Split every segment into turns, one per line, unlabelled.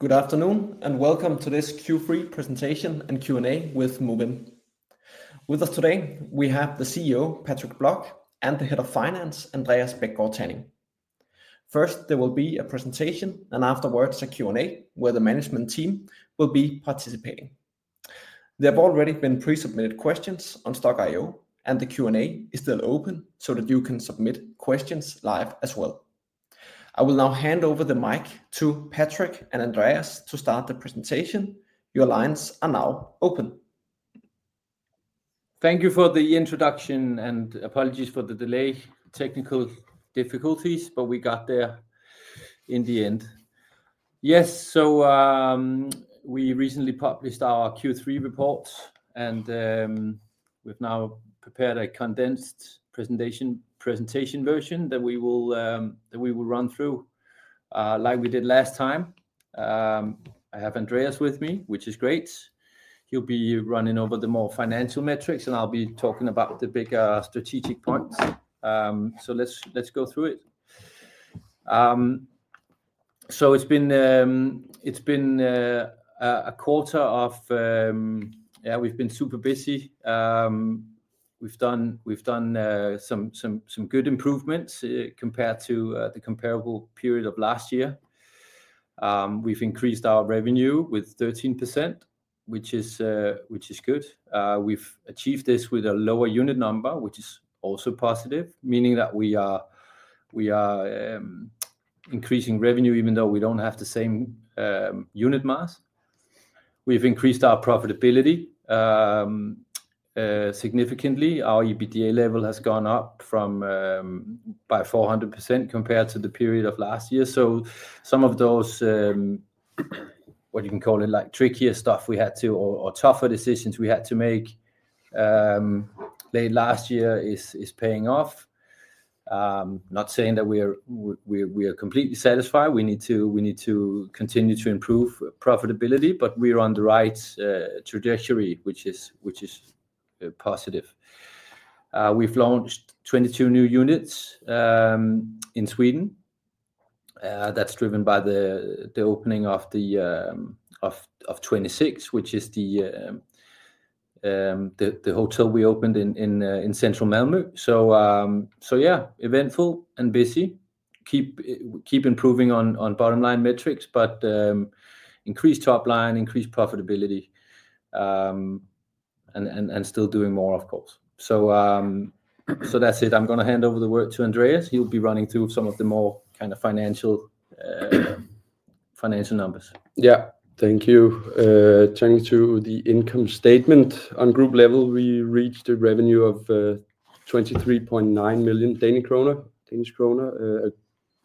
Good afternoon and welcome to this Q3 presentation and Q&A with Movinn. With us today, we have the CEO, Patrick Blok, and the head of finance, Andreas Bækgaard Thaning. First, there will be a presentation and afterwards a Q&A where the management team will be participating. There have already been pre-submitted questions on Stokk.io, and the Q&A is still open so that you can submit questions live as well. I will now hand over the mic to Patrick and Andreas to start the presentation. Your lines are now open.
Thank you for the introduction and apologies for the delay, technical difficulties, but we got there in the end. Yes, so we recently published our Q3 report and we've now prepared a condensed presentation version that we will run through like we did last time. I have Andreas with me, which is great. He'll be running over the more financial metrics and I'll be talking about the bigger strategic points. So let's go through it. So it's been a quarter of, yeah, we've been super busy. We've done some good improvements compared to the comparable period of last year. We've increased our revenue with 13%, which is good. We've achieved this with a lower unit number, which is also positive, meaning that we are increasing revenue even though we don't have the same unit mass. We've increased our profitability significantly. Our EBITDA level has gone up by 400% compared to the period of last year. So some of those, what you can call it, like trickier stuff we had to, or tougher decisions we had to make late last year is paying off. Not saying that we are completely satisfied. We need to continue to improve profitability, but we are on the right trajectory, which is positive. We've launched 22 new units in Sweden. That's driven by the opening of 26, which is the hotel we opened in central Malmö. So yeah, eventful and busy. Keep improving on bottom line metrics, but increase top line, increase profitability, and still doing more, of course. So that's it. I'm going to hand over the word to Andreas. He'll be running through some of the more kind of financial numbers.
Yeah, thank you. Turning to the income statement, on group level, we reached a revenue of 23.9 million Danish kroner.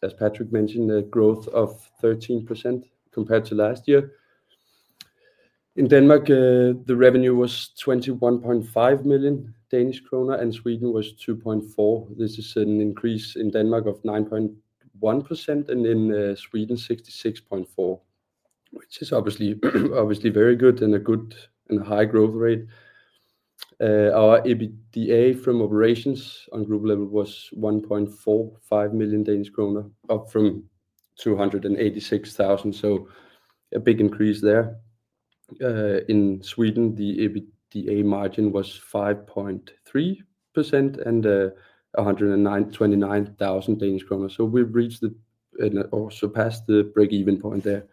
As Patrick mentioned, a growth of 13% compared to last year. In Denmark, the revenue was 21.5 million Danish kroner, and in Sweden 2.4 million. This is an increase in Denmark of 9.1% and in Sweden 66.4%, which is obviously very good and a good and high growth rate. Our EBITDA from operations on group level was 1.45 million Danish kroner up from 286,000, so a big increase there. In Sweden, the EBITDA margin was 5.3% and DKK 129,000. So we've reached and also passed the break-even point there,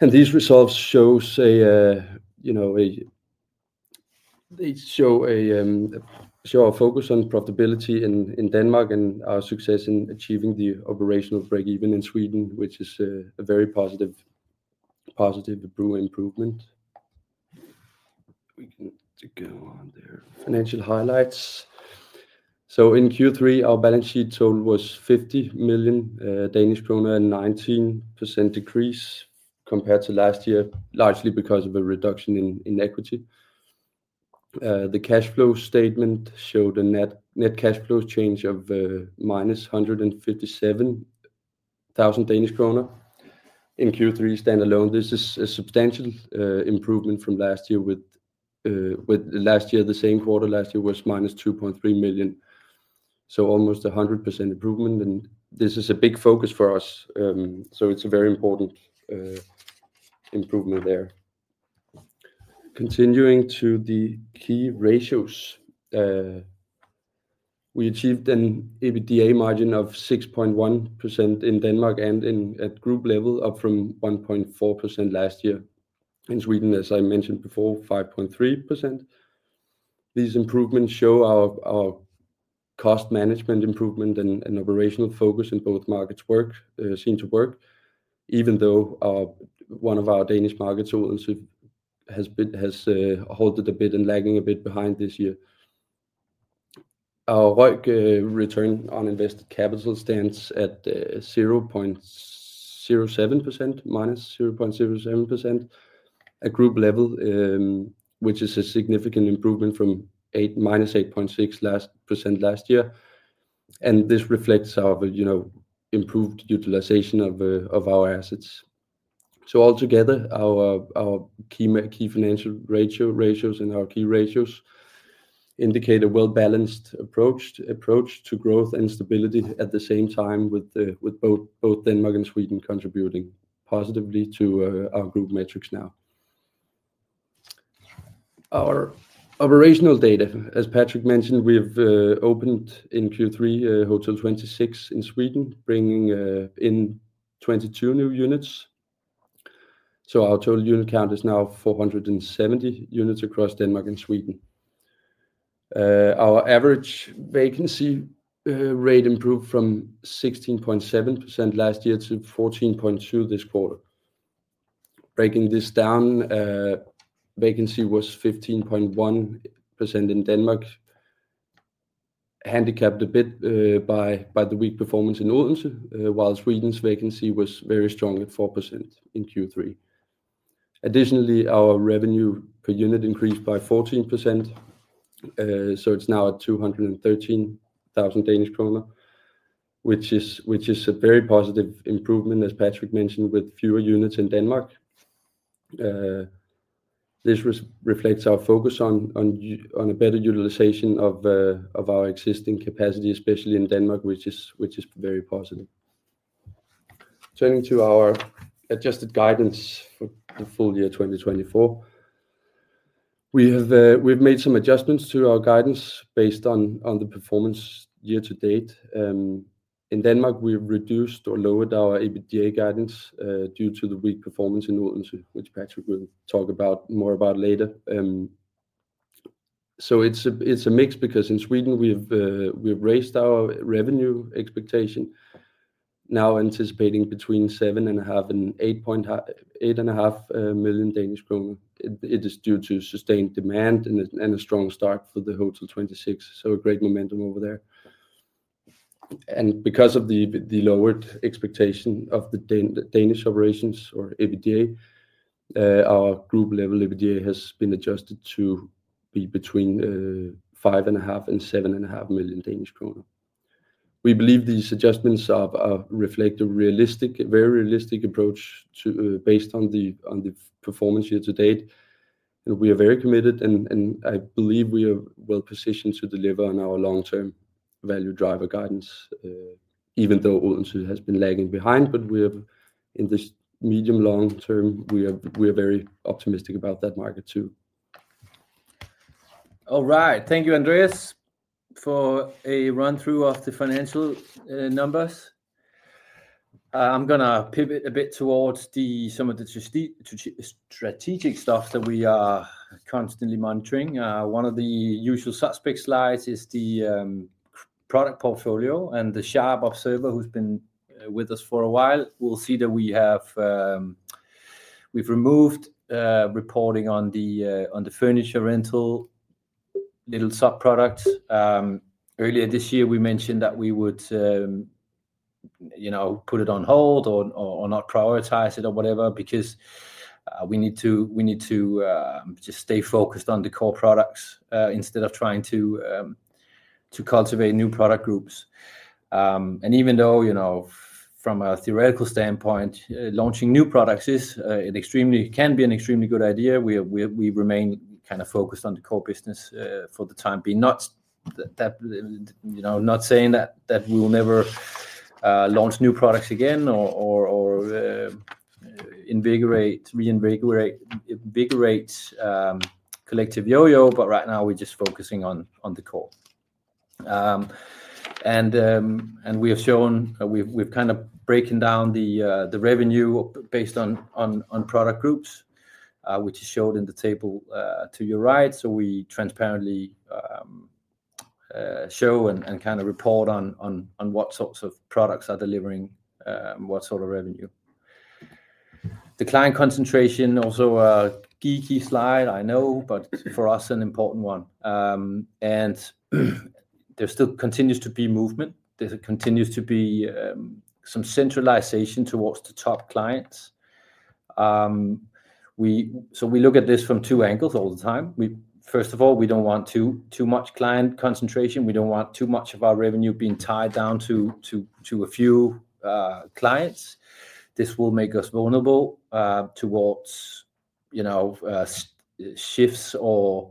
and these results show a focus on profitability in Denmark and our success in achieving the operational break-even in Sweden, which is a very positive improvement. We can go on there. Financial highlights. In Q3, our balance sheet total was 50 million Danish krone, a 19% decrease compared to last year, largely because of a reduction in equity. The cash flow statement showed a net cash flow change of -157,000 Danish kroner. In Q3, standalone, this is a substantial improvement from last year, with last year, the same quarter last year was -2.3 million. So almost 100% improvement. And this is a big focus for us. So it's a very important improvement there. Continuing to the key ratios, we achieved an EBITDA margin of 6.1% in Denmark and at group level, up from 1.4% last year. In Sweden, as I mentioned before, 5.3%. These improvements show our cost management improvement and operational focus in both markets seem to work, even though one of our Danish markets has lagged a bit and lagging a bit behind this year. Our return on invested capital stands at 0.07%, -0.07% at group level, which is a significant improvement from -8.6% last year, and this reflects our improved utilization of our assets, so altogether, our key financial ratios and our key ratios indicate a well-balanced approach to growth and stability at the same time, with both Denmark and Sweden contributing positively to our group metrics now. Our operational data, as Patrick mentioned, we've opened in Q3 Hotel 26 in Sweden, bringing in 22 new units, so our total unit count is now 470 units across Denmark and Sweden. Our average vacancy rate improved from 16.7% last year to 14.2% this quarter. Breaking this down, vacancy was 15.1% in Denmark, handicapped a bit by the weak performance in Odense, while Sweden's vacancy was very strong at 4% in Q3. Additionally, our revenue per unit increased by 14%. It's now at 213,000 Danish krone, which is a very positive improvement, as Patrick mentioned, with fewer units in Denmark. This reflects our focus on a better utilization of our existing capacity, especially in Denmark, which is very positive. Turning to our adjusted guidance for the full year 2024, we've made some adjustments to our guidance based on the performance year to date. In Denmark, we reduced or lowered our EBITDA guidance due to the weak performance in Odense, which Patrick will talk more about later. It's a mix because in Sweden, we've raised our revenue expectation, now anticipating between 7.5 million Danish kroner and DKK 8.5 million. It is due to sustained demand and a strong start for the Hotel 26, so a great momentum over there. And because of the lowered expectation of the Danish operations or EBITDA, our group level EBITDA has been adjusted to be between 5.5 million Danish kroner and DKK 7.5 million. We believe these adjustments reflect a very realistic approach based on the performance year to date. We are very committed, and I believe we are well positioned to deliver on our long-term value driver guidance, even though Odense has been lagging behind, but in the medium-long term, we are very optimistic about that market too.
All right, thank you, Andreas, for a run-through of the financial numbers. I'm going to pivot a bit towards some of the strategic stuff that we are constantly monitoring. One of the usual suspect slides is the product portfolio, and the sharp observer, who's been with us for a while, will see that we've removed reporting on the furniture rental, little subproducts. Earlier this year, we mentioned that we would put it on hold or not prioritize it or whatever because we need to just stay focused on the core products instead of trying to cultivate new product groups, and even though from a theoretical standpoint, launching new products can be an extremely good idea, we remain kind of focused on the core business for the time being. Not saying that we will never launch new products again or reinvigorate Collective Yoyo, but right now, we're just focusing on the core, and we have shown we've kind of broken down the revenue based on product groups, which is showed in the table to your right, so we transparently show and kind of report on what sorts of products are delivering what sort of revenue. The client concentration, also a key slide, I know, but for us, an important one, and there still continues to be movement. There continues to be some centralization towards the top clients, so we look at this from two angles all the time. First of all, we don't want too much client concentration. We don't want too much of our revenue being tied down to a few clients. This will make us vulnerable towards shifts or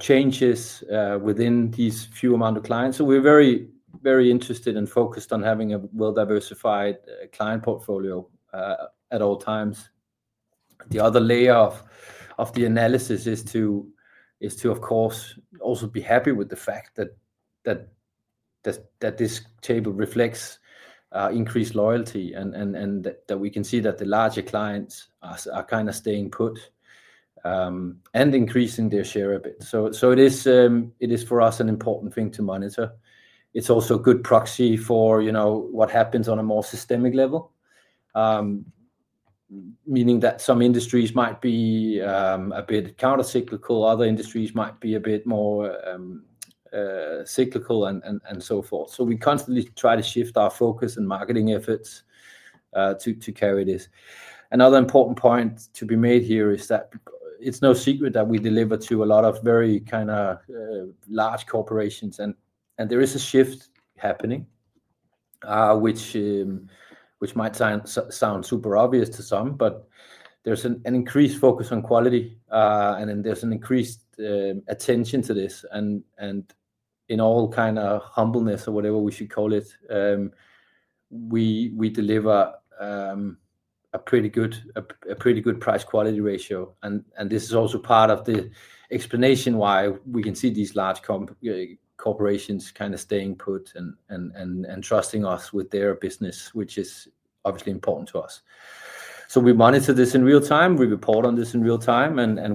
changes within these few amount of clients. So we're very interested and focused on having a well-diversified client portfolio at all times. The other layer of the analysis is to, of course, also be happy with the fact that this table reflects increased loyalty and that we can see that the larger clients are kind of staying put and increasing their share a bit. So it is, for us, an important thing to monitor. It's also a good proxy for what happens on a more systemic level, meaning that some industries might be a bit countercyclical, other industries might be a bit more cyclical, and so forth. So we constantly try to shift our focus and marketing efforts to carry this. Another important point to be made here is that it's no secret that we deliver to a lot of very kind of large corporations. And there is a shift happening, which might sound super obvious to some, but there's an increased focus on quality. And then there's an increased attention to this. And in all kind of humbleness or whatever we should call it, we deliver a pretty good price-quality ratio. And this is also part of the explanation why we can see these large corporations kind of staying put and trusting us with their business, which is obviously important to us. So we monitor this in real time. We report on this in real time. And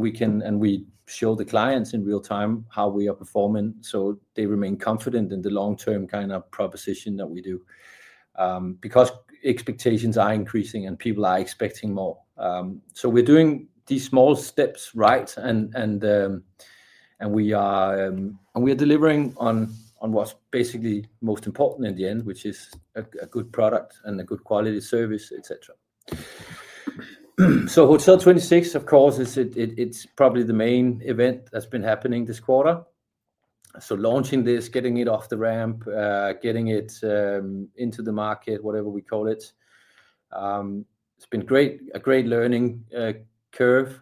we show the clients in real time how we are performing so they remain confident in the long-term kind of proposition that we do because expectations are increasing and people are expecting more. So we're doing these small steps right. We are delivering on what's basically most important in the end, which is a good product and a good quality service, etc. Hotel 26, of course, it's probably the main event that's been happening this quarter. Launching this, getting it off the ramp, getting it into the market, whatever we call it, it's been a great learning curve.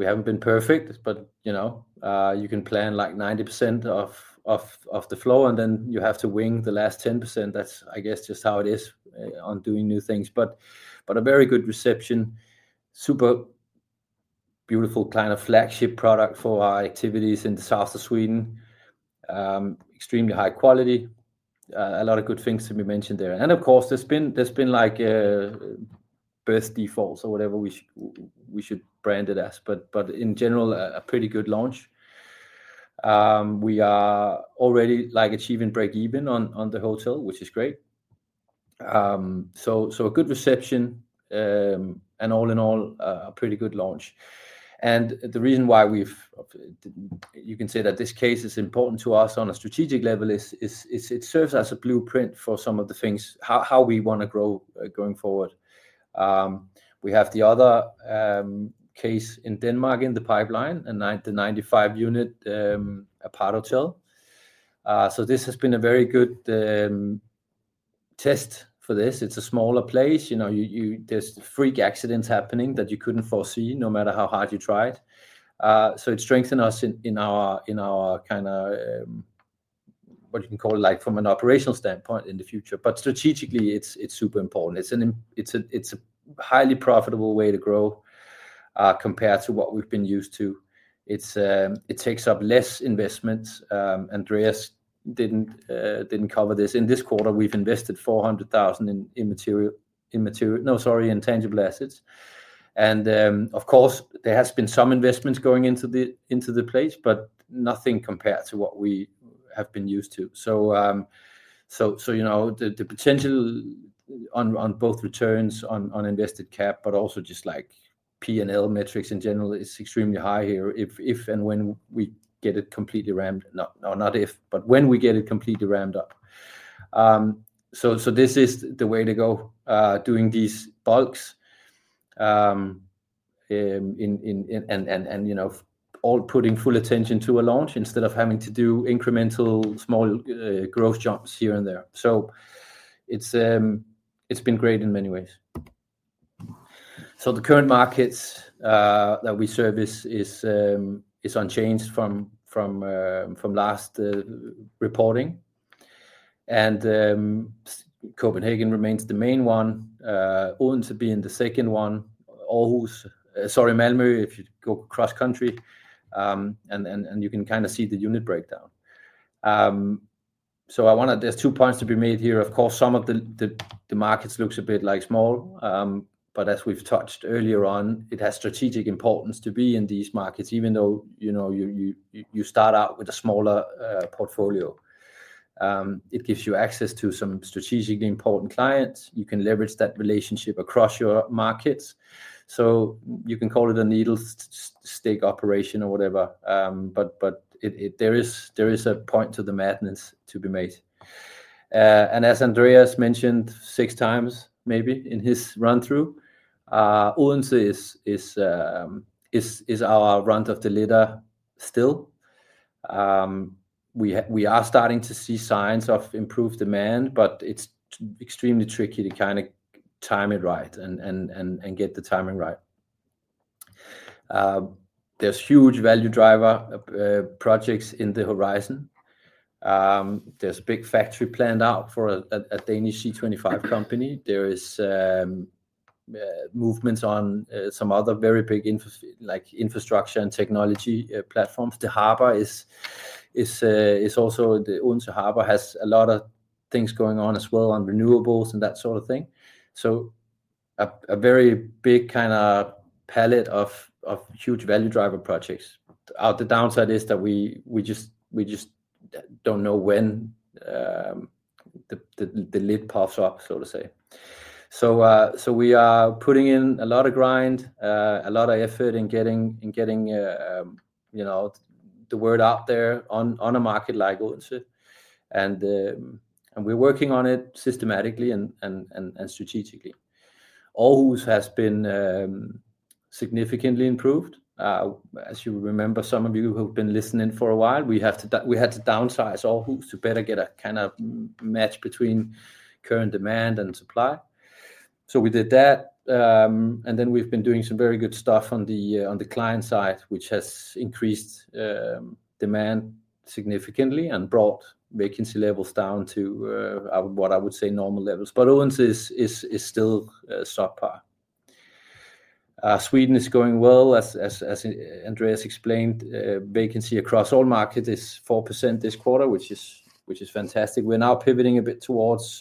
We haven't been perfect, but you can plan like 90% of the flow, and then you have to wing the last 10%. That's, I guess, just how it is on doing new things. A very good reception, super beautiful kind of flagship product for our activities in Sweden, extremely high quality, a lot of good things to be mentioned there. Of course, there's been like birth defects or whatever we should brand it as, but in general, a pretty good launch. We are already achieving break-even on the hotel, which is great, so a good reception and all in all, a pretty good launch. The reason why you can say that this case is important to us on a strategic level is it serves as a blueprint for some of the things how we want to grow going forward. We have the other case in Denmark in the pipeline, the 95-unit aparthotel, so this has been a very good test for this. It's a smaller place. There's freak accidents happening that you couldn't foresee no matter how hard you tried, so it strengthened us in our kind of, what you can call it, from an operational standpoint in the future. Strategically, it's super important. It's a highly profitable way to grow compared to what we've been used to. It takes up less investments. Andreas didn't cover this. In this quarter, we've invested 400,000 in intangible assets, and of course, there has been some investments going into the place, but nothing compared to what we have been used to. The potential on both returns on invested cap, but also just like P&L metrics in general is extremely high here if and when we get it completely ramped. Not if, but when we get it completely ramped up. This is the way to go, doing these bulks and putting full attention to a launch instead of having to do incremental small growth jumps here and there. It's been great in many ways. The current markets that we service is unchanged from last reporting. Copenhagen remains the main one, Odense being the second one, Aarhus, sorry, Malmö if you go cross-country, and you can kind of see the unit breakdown. So there's two points to be made here. Of course, some of the markets looks a bit small, but as we've touched earlier on, it has strategic importance to be in these markets, even though you start out with a smaller portfolio. It gives you access to some strategically important clients. You can leverage that relationship across your markets. So you can call it a needle-stick operation or whatever, but there is a point to the madness to be made. And as Andreas mentioned six times maybe in his run-through, Odense is our run-of-the-mill still. We are starting to see signs of improved demand, but it's extremely tricky to kind of time it right and get the timing right. There's huge value driver projects on the horizon. There's a big factory planned out for a Danish C25 company. There is movements on some other very big infrastructure and technology platforms. The harbor is also the Odense Harbor. It has a lot of things going on as well on renewables and that sort of thing. So a very big kind of palette of huge value driver projects. The downside is that we just don't know when the lid pops up, so to say. So we are putting in a lot of grind, a lot of effort in getting the word out there on a market like Odense. And we're working on it systematically and strategically. Aarhus has been significantly improved. As you remember, some of you who have been listening for a while, we had to downsize Aarhus to better get a kind of match between current demand and supply. So we did that. And then we've been doing some very good stuff on the client side, which has increased demand significantly and brought vacancy levels down to what I would say normal levels. But Odense is still a subpar. Sweden is going well. As Andreas explained, vacancy across all markets is 4% this quarter, which is fantastic. We're now pivoting a bit towards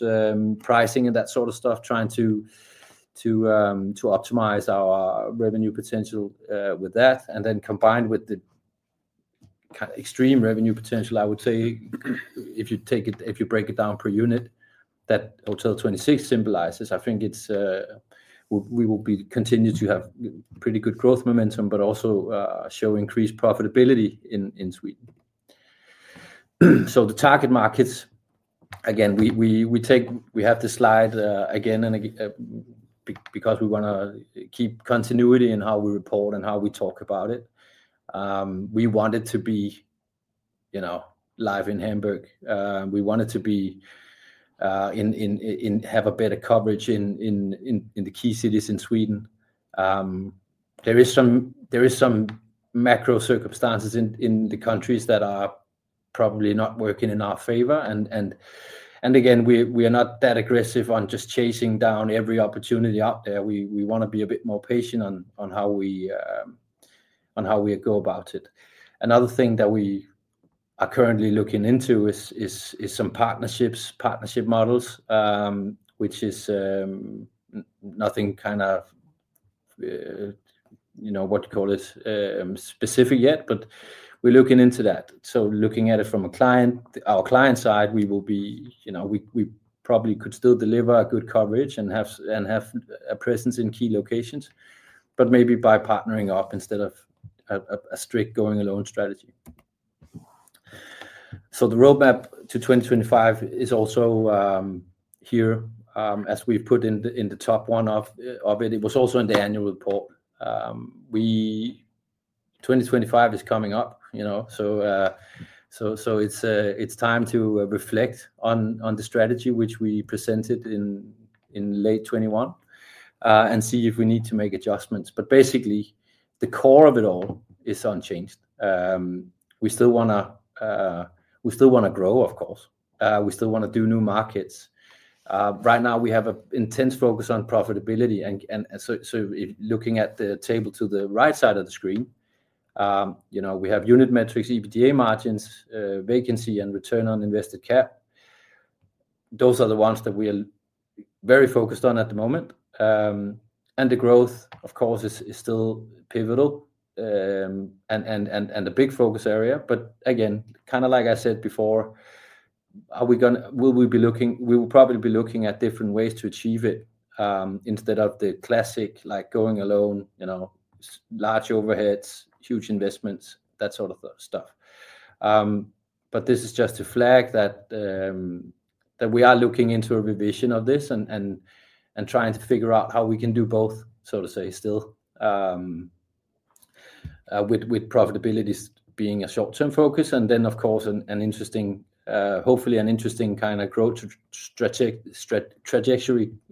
pricing and that sort of stuff, trying to optimize our revenue potential with that. And then combined with the extreme revenue potential, I would say, if you break it down per unit, that Hotel 26 symbolizes, I think we will continue to have pretty good growth momentum, but also show increased profitability in Sweden. So the target markets, again, we have the slide again because we want to keep continuity in how we report and how we talk about it. We want it to be live in Hamburg. We want it to have a better coverage in the key cities in Sweden. There are some macro circumstances in the countries that are probably not working in our favor, and again, we are not that aggressive on just chasing down every opportunity out there. We want to be a bit more patient on how we go about it. Another thing that we are currently looking into is some partnerships, partnership models, which is nothing kind of, what do you call it, specific yet, but we're looking into that. So looking at it from our client side, we will be, we probably could still deliver good coverage and have a presence in key locations, but maybe by partnering up instead of a strict going-alone strategy, so the roadmap to 2025 is also here. As we've put in the top one of it, it was also in the annual report. 2025 is coming up, so it's time to reflect on the strategy, which we presented in late 2021, and see if we need to make adjustments, but basically, the core of it all is unchanged. We still want to grow, of course. We still want to do new markets. Right now, we have an intense focus on profitability, and so looking at the table to the right side of the screen, we have unit metrics, EBITDA margins, vacancy, and return on invested cap. Those are the ones that we are very focused on at the moment, and the growth, of course, is still pivotal and a big focus area, but again, kind of like I said before, we will probably be looking at different ways to achieve it instead of the classic going-alone, large overheads, huge investments, that sort of stuff. But this is just to flag that we are looking into a revision of this and trying to figure out how we can do both, so to say, still, with profitability being a short-term focus. And then, of course, hopefully, an interesting kind of growth trajectory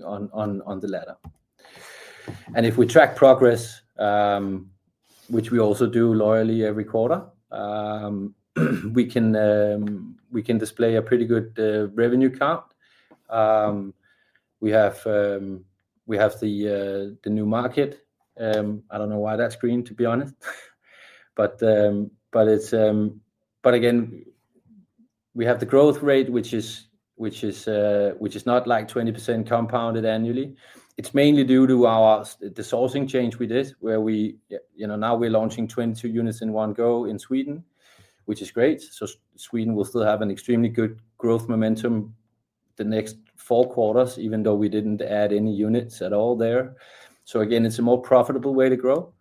on the ladder. And if we track progress, which we also do loyally every quarter, we can display a pretty good revenue count. We have the new market. I don't know why that's green, to be honest. But again, we have the growth rate, which is not like 20% compounded annually. It's mainly due to the sourcing change we did, where now we're launching 22 units in one go in Sweden, which is great. So Sweden will still have an extremely good growth momentum the next four quarters, even though we didn't add any units at all there. So again, it's a more profitable way to grow.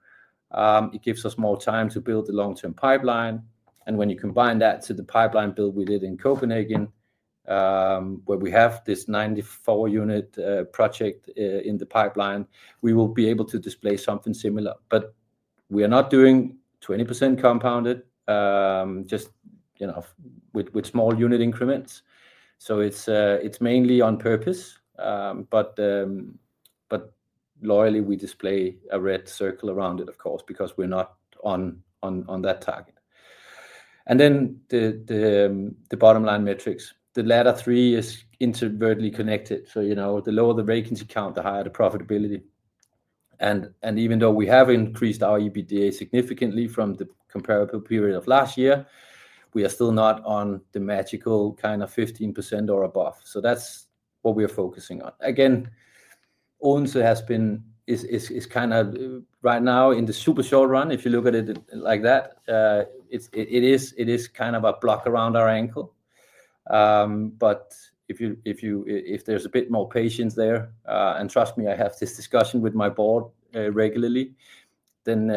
It gives us more time to build the long-term pipeline. And when you combine that with the pipeline build we did in Copenhagen, where we have this 94-unit project in the pipeline, we will be able to display something similar. But we are not doing 20% compounded, just with small unit increments. So it's mainly on purpose. But visually, we display a red circle around it, of course, because we're not on that target. And then the bottom line metrics, the latter three is inherently connected. So the lower the vacancy count, the higher the profitability. And even though we have increased our EBITDA significantly from the comparable period of last year, we are still not on the magical kind of 15% or above. So that's what we are focusing on. Again, Odense has been kind of right now in the super short run, if you look at it like that. It is kind of a block around our ankle. But if there's a bit more patience there, and trust me, I have this discussion with my board regularly, then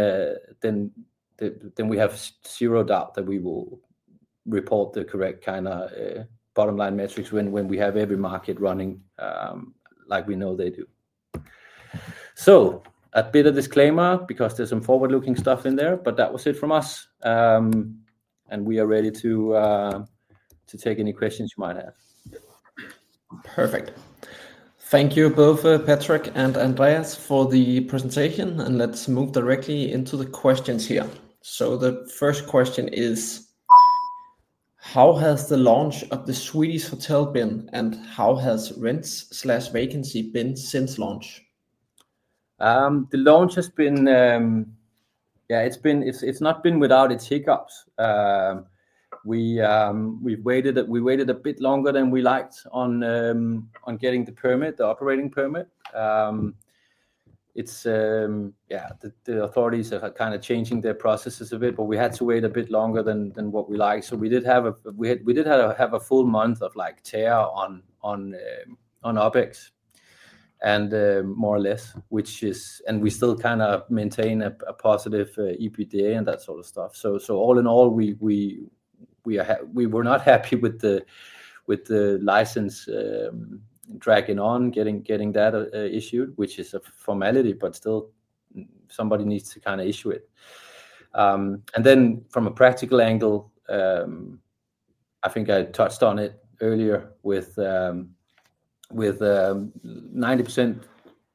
we have zero doubt that we will report the correct kind of bottom line metrics when we have every market running like we know they do. So a bit of disclaimer because there's some forward-looking stuff in there, but that was it from us. And we are ready to take any questions you might have.
Perfect. Thank you both, Patrick and Andreas, for the presentation. And let's move directly into the questions here. So the first question is, how has the launch of the Swedish hotel been and how has rents/vacancy been since launch?
The launch has been, yeah, it's not been without its hiccups. We waited a bit longer than we liked on getting the permit, the operating permit. Yeah, the authorities are kind of changing their processes a bit, but we had to wait a bit longer than what we liked. So we did have a full month of tear on OpEx, and more or less, which is, and we still kind of maintain a positive EBITDA and that sort of stuff. So all in all, we were not happy with the license dragging on, getting that issued, which is a formality, but still, somebody needs to kind of issue it. And then from a practical angle, I think I touched on it earlier with 90%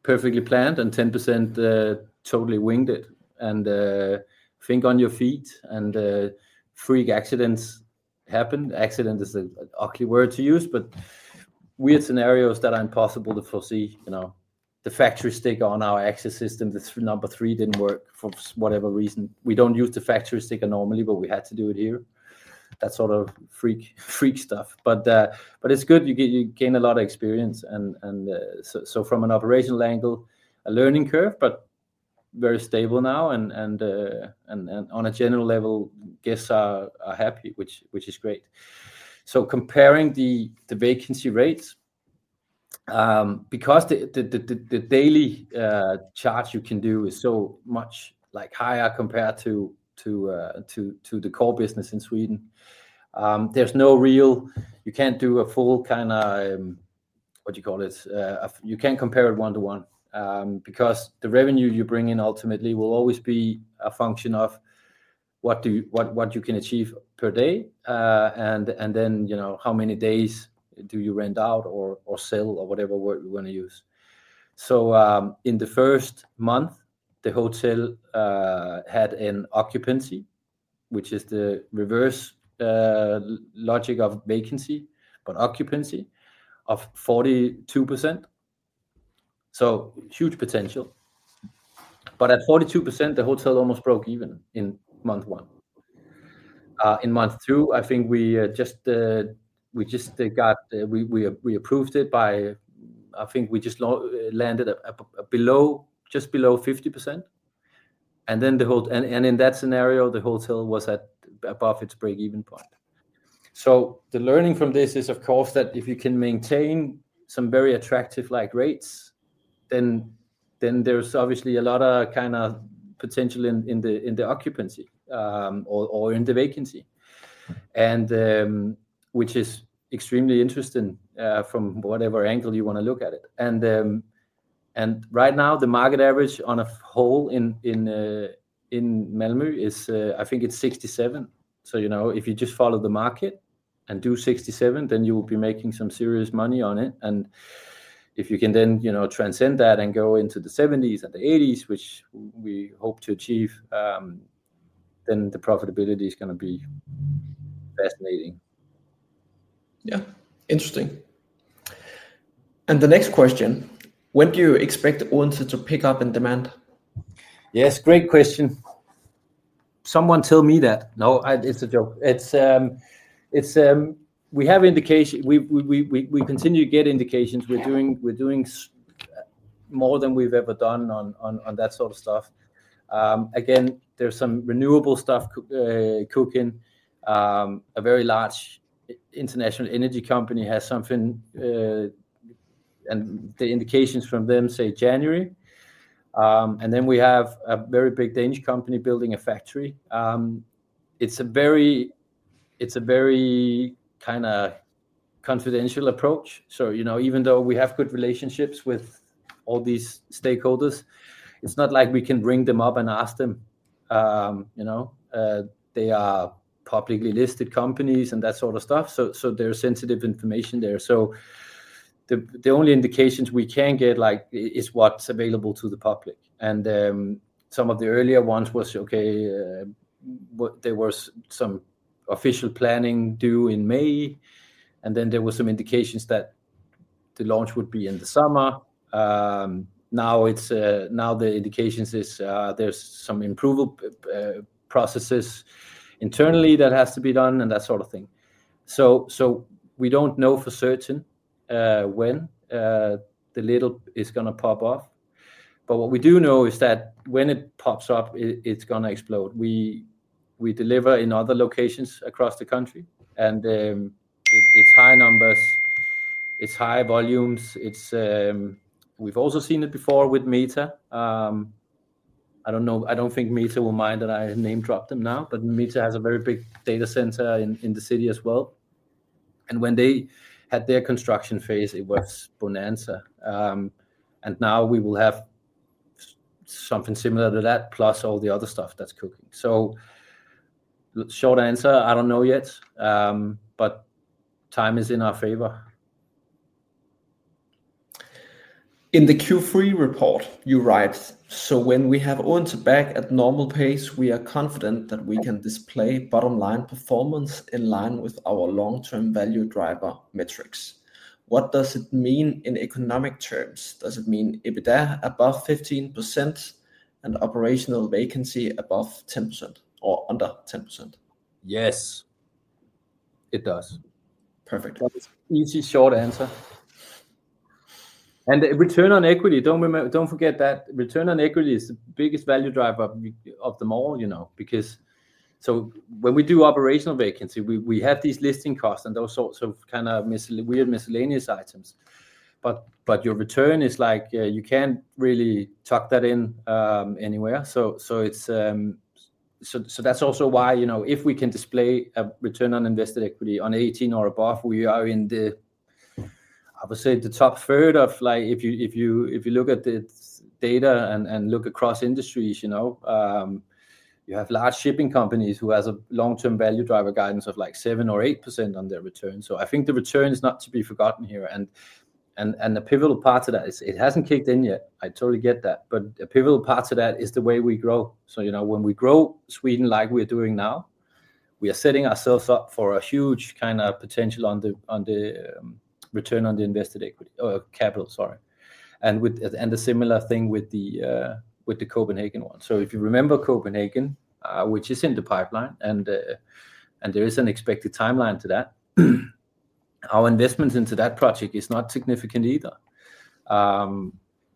perfectly planned and 10% totally winged it. And think on your feet and freak accidents happen. Accident is an ugly word to use, but weird scenarios that are impossible to foresee. The factory sticker on our access system number three didn't work for whatever reason. We don't use the factory sticker normally, but we had to do it here. That sort of freak stuff. But it's good. You gain a lot of experience. And so from an operational angle, a learning curve, but very stable now. And on a general level, guests are happy, which is great. So comparing the vacancy rates, because the daily charge you can do is so much higher compared to the core business in Sweden, there's no real you can't do a full kind of, what do you call it? You can't compare it one to one because the revenue you bring in ultimately will always be a function of what you can achieve per day and then how many days do you rent out or sell or whatever word you want to use. So in the first month, the hotel had an occupancy, which is the reverse logic of vacancy, but occupancy of 42%. So huge potential. But at 42%, the hotel almost broke even in month one. In month two, I think we just landed just below 50%. And in that scenario, the hotel was at above its break-even point. The learning from this is, of course, that if you can maintain some very attractive rates, then there's obviously a lot of kind of potential in the occupancy or in the vacancy, which is extremely interesting from whatever angle you want to look at it. Right now, the market average on a whole in Malmö is, I think it's 67%. So if you just follow the market and do 67%, then you will be making some serious money on it. And if you can then transcend that and go into the 70s and the 80s, which we hope to achieve, then the profitability is going to be fascinating.
Yeah. Interesting. And the next question, when do you expect Odense to pick up in demand?
Yes, great question. Someone tell me that. No, it's a joke. We have indications. We continue to get indications. We're doing more than we've ever done on that sort of stuff. Again, there's some renewable stuff cooking. A very large international energy company has something, and the indications from them say January. And then we have a very big Danish company building a factory. It's a very kind of confidential approach. So even though we have good relationships with all these stakeholders, it's not like we can bring them up and ask them. They are publicly listed companies and that sort of stuff. So there's sensitive information there. So the only indications we can get is what's available to the public. And some of the earlier ones was, okay, there was some official planning due in May. And then there were some indications that the launch would be in the summer. Now the indications is there's some improvement processes internally that has to be done and that sort of thing. So we don't know for certain when the lid is going to pop off. But what we do know is that when it pops up, it's going to explode. We deliver in other locations across the country. And it's high numbers. It's high volumes. We've also seen it before with Meta. I don't think Meta will mind that I name-drop them now, but Meta has a very big data center in the city as well. And when they had their construction phase, it was Bonanza. And now we will have something similar to that, plus all the other stuff that's cooking. So short answer, I don't know yet, but time is in our favor.
In the Q3 report, you write, "So when we have Odense back at normal pace, we are confident that we can display bottom line performance in line with our long-term value driver metrics." What does it mean in economic terms? Does it mean EBITDA above 15% and operational vacancy above 10% or under 10%?
Yes, it does.
Perfect.
Easy, short answer. And return on equity, don't forget that return on equity is the biggest value driver of them all because so when we do operational vacancy, we have these listing costs and those sorts of kind of weird miscellaneous items. But your return is like you can't really tuck that in anywhere. So that's also why if we can display a return on invested equity on 18 or above, we are in the, I would say, the top third of if you look at the data and look across industries, you have large shipping companies who have a long-term value driver guidance of like 7% or 8% on their return. So I think the return is not to be forgotten here. And the pivotal part of that is it hasn't kicked in yet. I totally get that. But a pivotal part of that is the way we grow. So when we grow Sweden like we are doing now, we are setting ourselves up for a huge kind of potential on the return on the invested equity or capital, sorry. And a similar thing with the Copenhagen one. So if you remember Copenhagen, which is in the pipeline, and there is an expected timeline to that, our investments into that project is not significant either.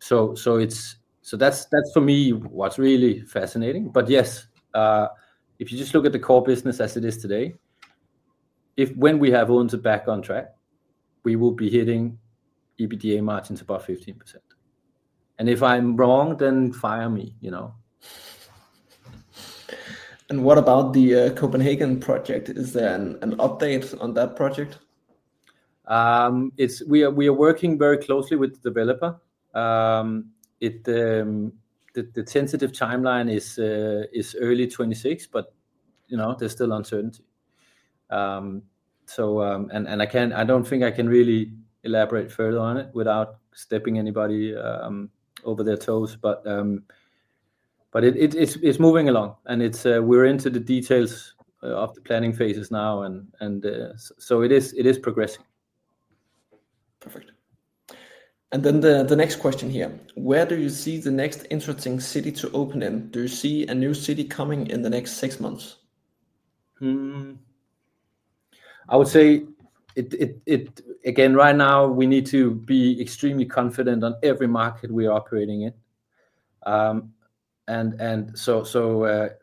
So that's for me what's really fascinating. But yes, if you just look at the core business as it is today, when we have Odense back on track, we will be hitting EBITDA margins above 15%. And if I'm wrong, then fire me. And what about the Copenhagen project? Is there an update on that project? We are working very closely with the developer. The sensitive timeline is early 2026, but there's still uncertainty. And I don't think I can really elaborate further on it without stepping on anybody's toes. But it's moving along. And we're into the details of the planning phases now. And so it is progressing.
Perfect. And then the next question here, where do you see the next interesting city to open in? Do you see a new city coming in the next six months?
I would say, again, right now, we need to be extremely confident on every market we are operating in. And that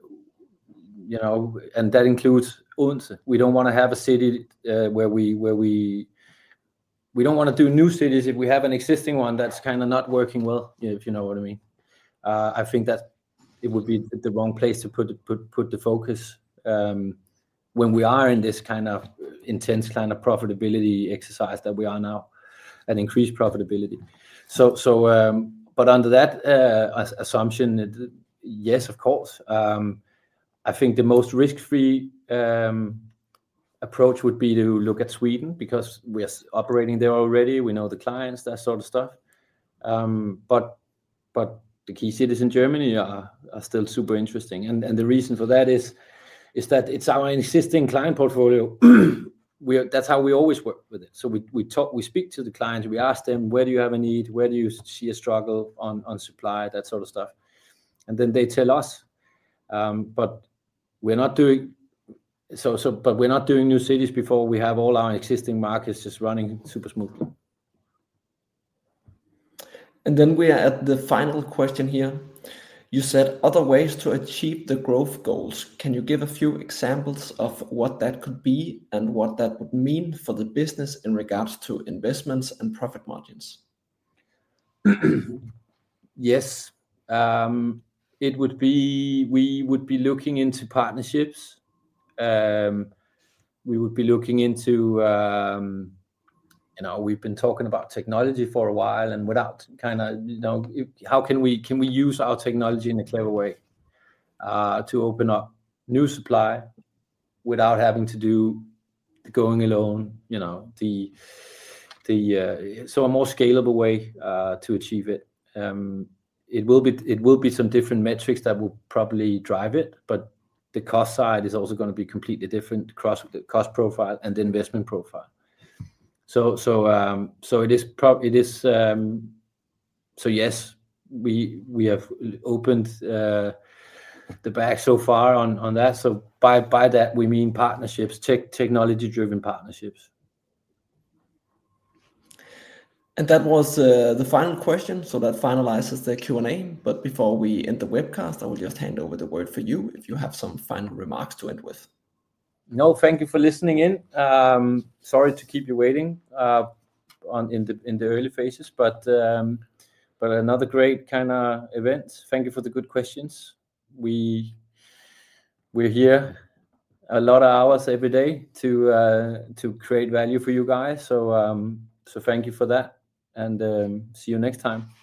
includes Odense. We don't want to have a city where we don't want to do new cities if we have an existing one that's kind of not working well, if you know what I mean. I think that it would be the wrong place to put the focus when we are in this kind of intense kind of profitability exercise that we are now and increased profitability. But under that assumption, yes, of course. I think the most risk-free approach would be to look at Sweden because we're operating there already. We know the clients, that sort of stuff. But the key cities in Germany are still super interesting. And the reason for that is that it's our existing client portfolio. That's how we always work with it. So we speak to the clients. We ask them, "Where do you have a need? Where do you see a struggle on supply?" That sort of stuff. And then they tell us. But we're not doing new cities before we have all our existing markets just running super smoothly.
And then we are at the final question here. You said other ways to achieve the growth goals. Can you give a few examples of what that could be and what that would mean for the business in regards to investments and profit margins?
Yes. It would be we would be looking into partnerships. We would be looking into. We've been talking about technology for a while and without kind of how can we use our technology in a clever way to open up new supply without having to do the going alone, the so a more scalable way to achieve it. It will be some different metrics that will probably drive it, but the cost side is also going to be completely different across the cost profile and the investment profile. So it is so yes, we have opened the bag so far on that. So by that, we mean partnerships, technology-driven partnerships.
And that was the final question. So that finalizes the Q&A. But before we end the webcast, I will just hand over the word for you if you have some final remarks to end with.
No, thank you for listening in. Sorry to keep you waiting in the early phases, but another great kind of event. Thank you for the good questions. We're here a lot of hours every day to create value for you guys. So thank you for that. And see you next time.